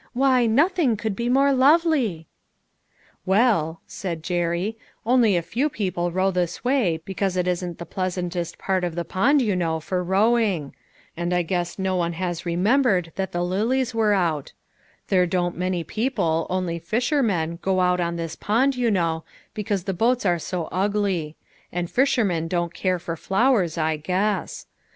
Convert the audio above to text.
Why, nothing could be more lovely !"" Well," said Jerry, " only a few people row this way, because it isn't the pleasantest part of the pond, you know, for rowing; and I guess no one has remembered that the lilies were out; 224 LITTLE FISHEES: AND THEIR NETS. there don't many people, only fishermen, go out on this pond, you know, because the boats are so ugly ; arid fishermen don't care for flowers, I guess.